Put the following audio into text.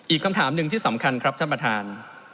อีกคำถามหนึ่งที่สำคัญครับท่านประธาน